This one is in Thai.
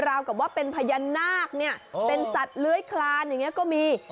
ราวกับว่าเป็นพญานาคเนี่ยเป็นสัตว์เลื้อยคลานอย่างนี้ก็มี